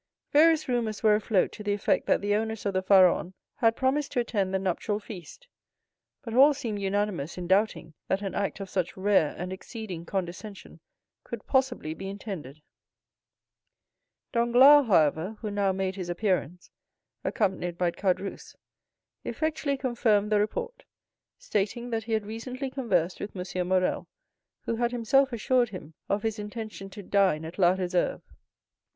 Various rumors were afloat to the effect that the owners of the Pharaon had promised to attend the nuptial feast; but all seemed unanimous in doubting that an act of such rare and exceeding condescension could possibly be intended. Danglars, however, who now made his appearance, accompanied by Caderousse, effectually confirmed the report, stating that he had recently conversed with M. Morrel, who had himself assured him of his intention to dine at La Réserve.